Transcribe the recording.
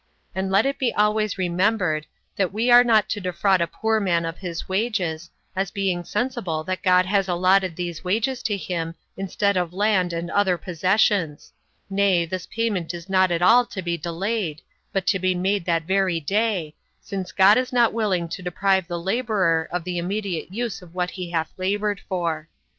And let it be always remembered, that we are not to defraud a poor man of his wages, as being sensible that God has allotted these wages to him instead of land and other possessions; nay, this payment is not at all to be delayed, but to be made that very day, since God is not willing to deprive the laborer of the immediate use of what he hath labored for.